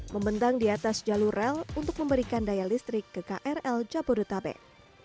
membentang di atas jalur rel untuk memberikan daya listrik ke krl jabodetabek